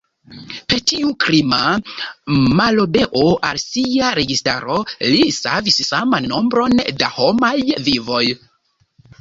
Per tiu "krima" malobeo al sia registaro li savis saman nombron da homaj vivoj.